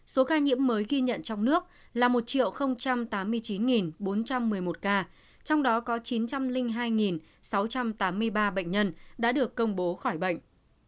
số ca nhiễm mới ghi nhận trong nước là một tám mươi chín bốn trăm một mươi một ca trong đó có chín trăm linh hai sáu trăm tám mươi ba bệnh nhân đã được công bố khỏi bệnh